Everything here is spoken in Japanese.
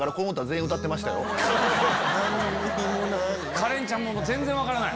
カレンちゃん全然分からない？